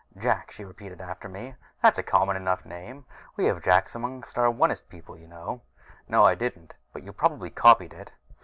"Jak," she repeated after me. "That's a common enough name. We have Jaks among our Onist people, you know." "No, I didn't. But you probably copied it."